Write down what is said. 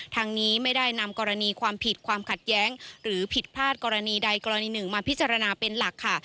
ทางนี้ไม่ได้นำกรณีความผิดความขัดแย้งหรือผิดพลาดกรณีใดกรณีหนึ่งมาพิจารณาเป็นหลักค่ะ